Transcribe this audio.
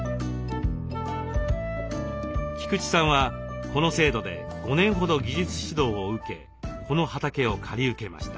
菊池さんはこの制度で５年ほど技術指導を受けこの畑を借り受けました。